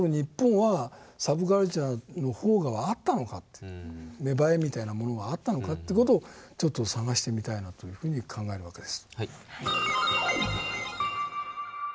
ええっ⁉芽生えみたいなものはあったのかという事をちょっと探してみたいなと考えるわけです。